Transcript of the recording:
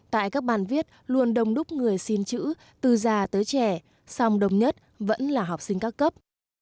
tại các bàn viết luôn đồng đúc người xin chữ từ già tới trẻ xong đồng nhất vẫn là học sinh các cấp